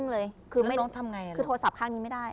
เล่นโยฆะทำทุกอย่าง